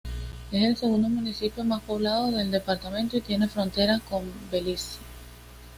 Es el segundo municipio más poblado del departamento y tiene frontera con Belice.